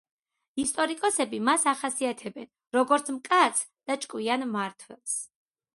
ისტორიკოსები მას ახასიათებენ, როგორც მკაცრ და ჭკვიან მმართველს.